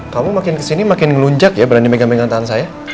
kamu makin kesini makin ngelunjak ya berani megang megang tangan saya